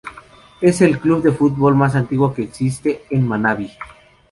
Es el club de fútbol más antiguo en existencia en Manabí.